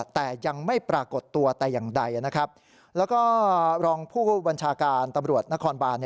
แต่ยังไม่ปรากฏตัวแต่อย่างใดนะครับแล้วก็รองผู้บัญชาการตำรวจนครบาน